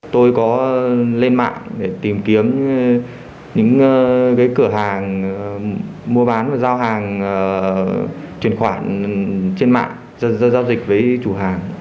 tôi có lên mạng tìm kiếm những cửa hàng mua bán và giao hàng truyền khoản trên mạng giao dịch với chủ hàng